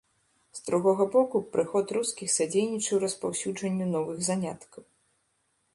З другога боку, прыход рускіх садзейнічаў распаўсюджанню новых заняткаў.